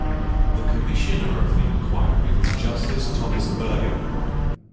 The commissioner of the inquiry was Justice Thomas Berger.